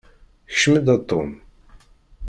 Kcem-d, a Tom.